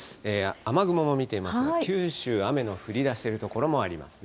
雨雲も見ていますが、九州、雨が降りだしている所もありますね。